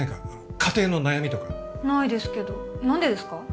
家庭の悩みとかないですけど何でですか？